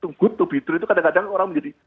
good to be true itu kadang kadang orang menjadi